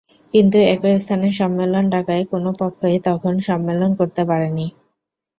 কিন্তু একই স্থানে সম্মেলন ডাকায় কোনো পক্ষই তখন সম্মেলন করতে পারেনি।